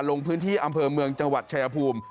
ลงพื้นที่อำเภอเมืองจังหวัดชายภูมิ